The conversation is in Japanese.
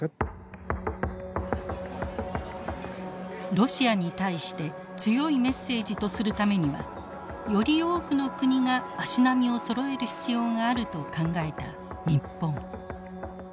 ロシアに対して強いメッセージとするためにはより多くの国が足並みをそろえる必要があると考えた日本。